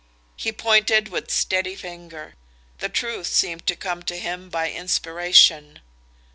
He pointed with steady finger. The truth seemed to come to him by inspiration.